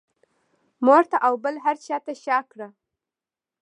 مور ته او بل هر چا ته شا کړه.